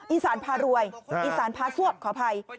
อิสรานพารวยอิสรานพาสวบขออภัย